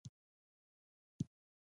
، د يوه ماشوم باد پرې شو، ټولو وخندل،